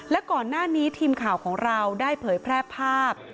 และก่อนหน้านี้ทีมข่าวของเราได้เผยแพร่ภาพ